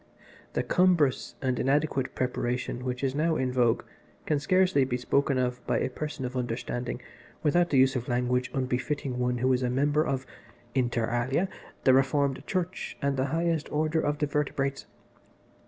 "The cumbrous and inadequate preparation which is now in vogue can scarcely be spoken of by a person of understanding without the use of language unbefitting one who is a member of (inter alia) the Reformed Church and the highest order of the vertebrates.